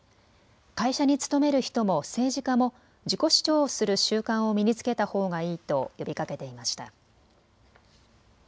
会社に勤める人も政治家も自己主張をする習慣を身につけたほうがいいと呼びかけていました。